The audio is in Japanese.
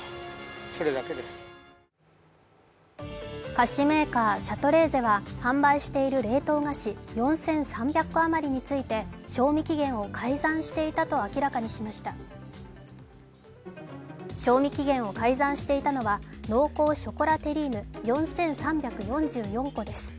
菓子メーカー・シャトレーゼは販売している冷凍菓子４３００個余りに対して賞味期限を改ざんしていたと明らかにしました賞味期限を改ざんしていたのは濃厚ショコラテリーヌ４３４４個です。